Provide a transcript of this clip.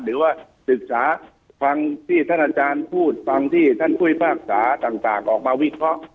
หรือว่าศึกษาฟังที่ท่านอาจารย์พูดฟังที่ท่านผู้พิพากษาต่างออกมาวิเคราะห์